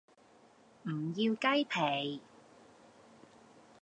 唔要雞皮